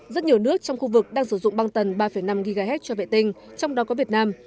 rất nhiều nước trong khu vực đang sử dụng băng tần ba năm ghz cho vệ tinh trong đó có việt nam